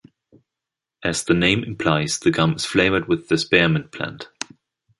As the name implies the gum is flavored with the spearmint plant.